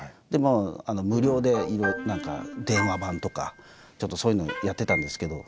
無料で何か電話番とかちょっとそういうのをやってたんですけど。